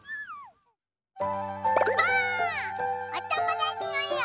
おともだちのえを。